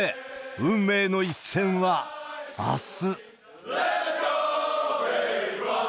運命の一戦は、あす。